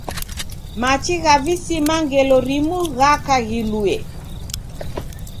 Machi gha visima ngelo rimu ghaka ghilue.